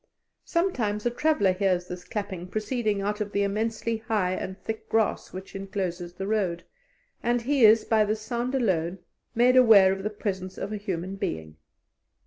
Sometimes a traveller hears this clapping proceeding out of the immensely high and thick grass which encloses the road, and he is by this sound alone made aware of the presence of a human being.